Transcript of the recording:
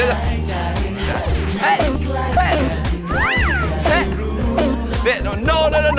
เขียนท่า